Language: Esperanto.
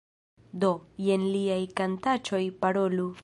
Do, jen liaj kantaĉoj, Parolu